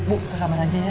ibu keselamatan aja ya